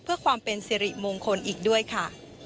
เพื่อความเป็นสิริมงคลอีกด้วยค่ะ